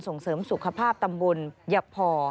ส่งเสริมสุขภาพตำบลยะพอ